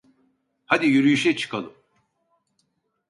Hadi yürüyüşe çıkalım.